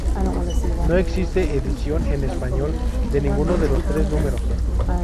No existe edición en español de ninguno de los tres números.